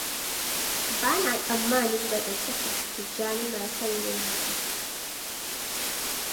Ba na tsammanin da gaske Tijjani na son yin hakan.